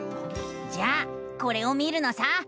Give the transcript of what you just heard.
じゃあこれを見るのさ！